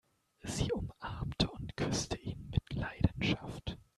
Sie umarmte und küsste ihn mit Leidenschaft.